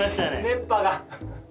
熱波が。